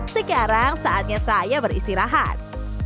sekarang saatnya saya beristirahat